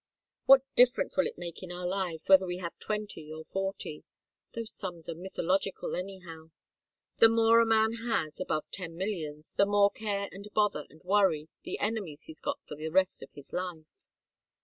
What difference will it make in our lives, whether we have twenty or forty? Those sums are mythological, anyhow. The more a man has, above ten millions, the more care and bother and worry, and enemies he's got for the rest of his life."